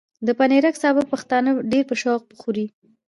د پنېرک سابه پښتانه ډېر په شوق خوري۔